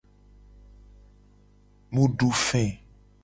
Mu du fe.